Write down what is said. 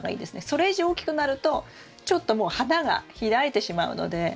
それ以上大きくなるとちょっともう花が開いてしまうので。